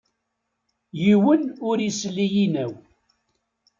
Yiwen ur issel i yinaw.